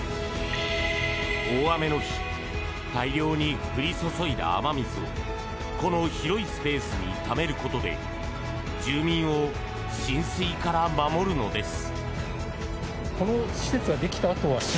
大雨の日大量に降り注いだ雨水をこの広いスペースにためることで住民を浸水から守るのです。